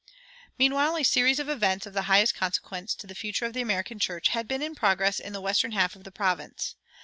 Meanwhile a series of events of the highest consequence to the future of the American church had been in progress in the western half of the province.